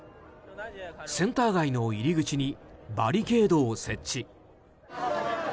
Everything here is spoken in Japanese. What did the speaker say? センター街の入り口にバリケードを設置。